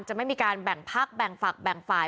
ไม่มีการแบ่งพักแบ่งฝักแบ่งฝ่าย